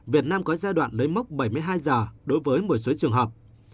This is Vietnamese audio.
việt nam có giai đoạn lấy mốc bảy mươi hai giờ đối với một số trường hợp